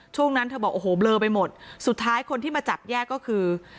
นั้นเธอบอกโอ้โหเบลอไปหมดสุดท้ายคนที่มาจับแยกก็คือ